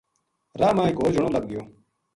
راہ ما ایک ہور جنو لَبھ گیو